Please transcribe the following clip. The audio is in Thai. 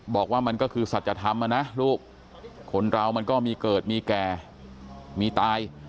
บอกว่ามันก็คือสัจธรรมนะลูกคนเรามันก็มีเกิดมีแก่มีตาย